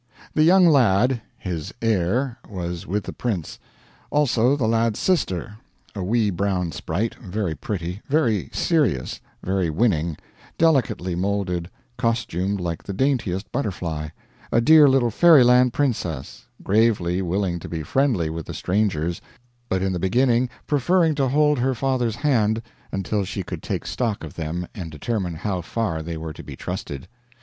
The young lad, his heir, was with the prince; also, the lad's sister, a wee brown sprite, very pretty, very serious, very winning, delicately moulded, costumed like the daintiest butterfly, a dear little fairyland princess, gravely willing to be friendly with the strangers, but in the beginning preferring to hold her father's hand until she could take stock of them and determine how far they were to be trusted.